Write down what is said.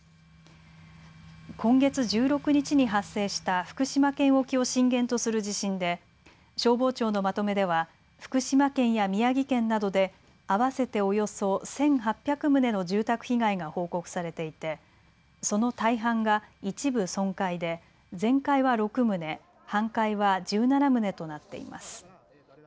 今月１６日に発生した福島県沖を震源とする地震で消防庁のまとめでは福島県や宮城県などで合わせておよそ１８００棟の住宅被害が報告されていてその大半が一部損壊で全壊は６棟、半壊は１７棟となっています。